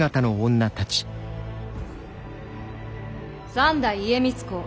・三代家光公